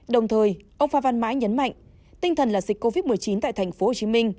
đồng thời ông phan văn mãi nhấn mạnh tinh thần là dịch covid một mươi chín tại tp hcm